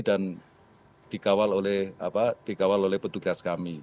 dan dikawal oleh petugas kami